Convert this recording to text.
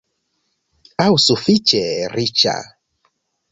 aŭ sufiĉe riĉa?